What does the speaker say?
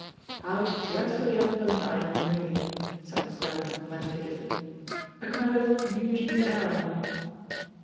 "How dreadfully unpleasant I am really," said Miss Grantham meditatively. "A kind of Eugene Aram."